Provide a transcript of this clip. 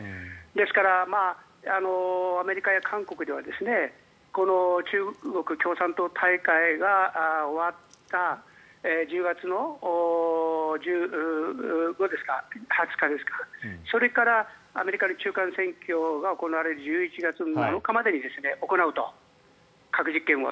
ですから、アメリカや韓国では中国共産党大会が終わった１０月１５日ですか２０日ですかそれからアメリカの中間選挙が行われ１１月７日までに行うと、核実験を。